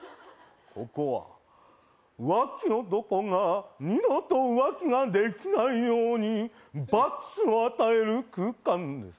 ここは浮気男が二度と浮気ができないように罰を与える空間です